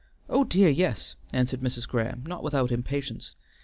"Oh dear, yes," answered Mrs. Graham, not without impatience.